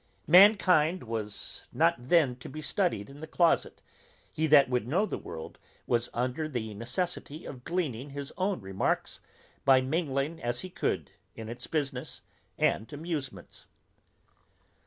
Mankind was not then to be studied in the closet; he that would know the world, was under the necessity of gleaning his own remarks, by mingling as he could in its business and amusements.